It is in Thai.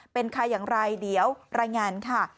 เป็นใครอย่างไรเดี๋ยวรายงานค่ะ